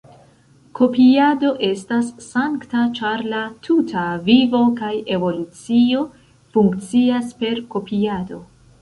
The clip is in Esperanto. Kopiado estas sankta ĉar la tuta vivo kaj evolucio funkcias per kopiado.